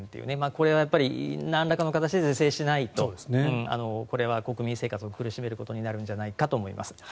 これはなんらかの形で是正しないとこれは国民生活を苦しめることになるんじゃないかと思います。